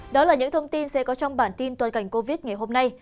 đó là những thông tin sẽ có trong bản tin toàn cảnh covid ngày hôm nay